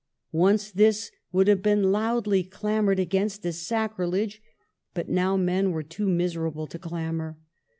Once this would have been loudly clamored against as sacrilege, but now men were too miserable to clamor.